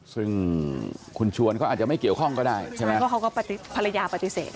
ซึ่งคุณชวนเขาอาจจะไม่เกี่ยวข้องก็ได้ใช่ไหมเพราะเขาก็ปฏิภรรยาปฏิเสธ